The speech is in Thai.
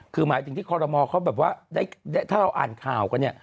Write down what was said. คือหมายถึงที่คอรมอเขาแบบว่าถ้าเราอ่านข่าวกันเนี่ย